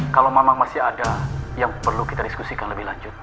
kalau memang masih ada yang perlu kita diskusikan lebih lanjut